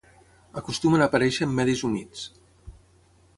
Acostumen a aparèixer en medis humits.